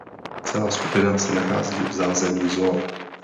Celá skupina se nachází v zázemí zoo.